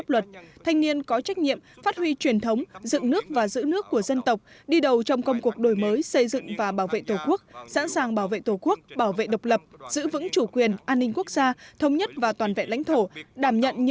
luật thanh niên sửa đổi quy định